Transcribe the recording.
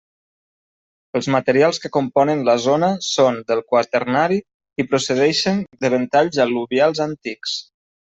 Els materials que componen la zona són del Quaternari i procedixen de ventalls al·luvials antics.